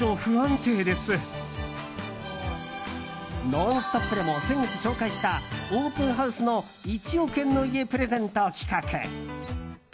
「ノンストップ！」でも先月紹介したオープンハウスの１億円の家プレゼント企画。